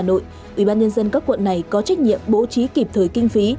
ủy ban nhân dân các quận này có trách nhiệm bố trí kịp thời kinh phí